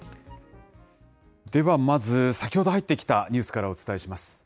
ではまず、先ほど入ってきたニュースからお伝えします。